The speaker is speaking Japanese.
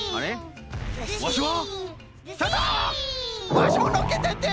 ワシものっけてってよ！